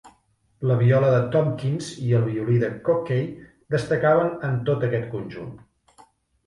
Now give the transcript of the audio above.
La viola de Tompkins i el violí de Cockey destacaven en tot aquest conjunt.